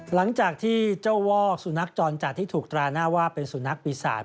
หลังจากที่เจ้าวอกสุนัขจรจัดที่ถูกตราหน้าว่าเป็นสุนัขปีศาจ